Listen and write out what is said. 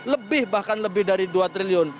lebih bahkan lebih dari dua triliun